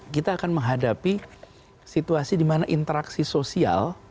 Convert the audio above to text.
kita akan menghadapi situasi dimana interaksi sosial